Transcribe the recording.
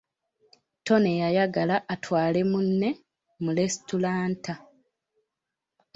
Tone yayagala atwale munne mu lesitulanta.